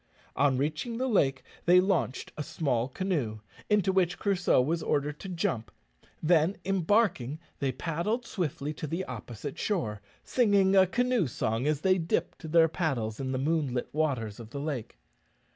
On reaching the lake they launched a small canoe, into which Crusoe was ordered to jump; then, embarking, they paddled swiftly to the opposite shore, singing a canoe song as they dipped their paddles in the moonlit waters of the lake.